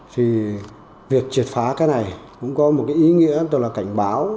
thì việc triệt phá cái này cũng có một ý nghĩa tên là cảnh báo